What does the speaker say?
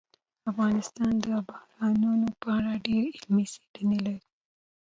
افغانستان د بارانونو په اړه ډېرې علمي څېړنې لري.